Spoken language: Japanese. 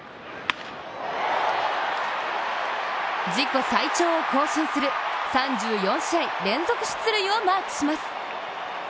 自己最長を更新する３４試合連続出塁をマークします。